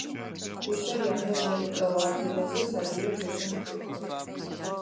Кушъэр янэжъ ыгъэхъыезэ, сабыир кушъэм хепхэ.